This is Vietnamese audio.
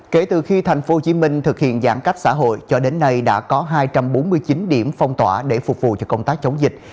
kể từ khi tp hcm thực hiện giãn cách xã hội cho đến nay đã có hai trăm bốn mươi chín điểm phong tỏa để phục vụ cho công tác chống dịch